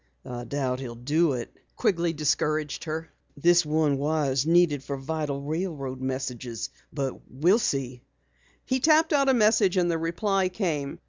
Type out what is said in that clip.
"I doubt he'll do it," Quigley discouraged her. "This one wire is needed for vital railroad messages. But we'll see." He tapped out a message and the reply came.